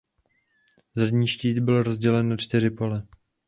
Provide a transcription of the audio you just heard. Zadní štít byl rozdělen na čtyři pole.